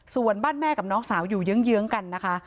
ส่วนบ้านแม่กับน้องสาวอยู่เยื้องกันนะคะ